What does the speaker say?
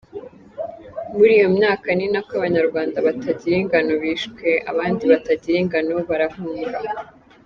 Muri iyo myaka ni nako abanyarwanda batagira ingano bishwe, abandi batagira ingano barahunga.